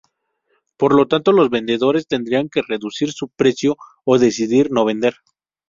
Por lo tanto, los vendedores tendrían que reducir su precio o decidir no vender.